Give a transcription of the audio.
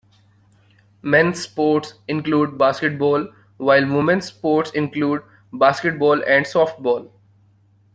Men's sports include baseball, while women's sports include basketball and softball.